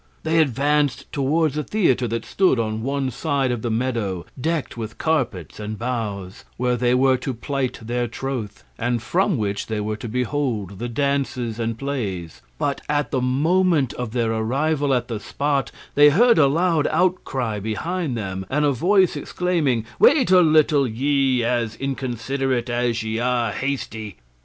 They advanced towards a theatre that stood on one side of the meadow decked with carpets and boughs, where they were to plight their troth, and from which they were to behold the dances and plays; but at the moment of their arrival at the spot they heard a loud outcry behind them, and a voice exclaiming, "Wait a little, ye, as inconsiderate as ye are hasty!"